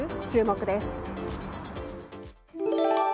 注目です。